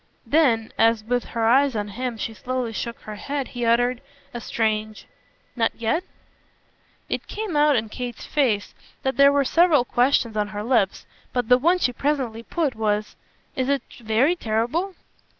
Then as with her eyes on him she slowly shook her head he uttered a strange "Not yet?" It came out in Kate's face that there were several questions on her lips, but the one she presently put was: "Is it very terrible?"